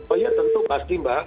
oh iya tentu pasti mbak